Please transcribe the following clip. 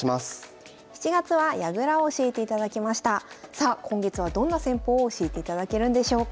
さあ今月はどんな戦法を教えていただけるんでしょうか？